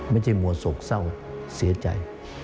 ไม่ใช่มัวโศกเศร้าเสียใจ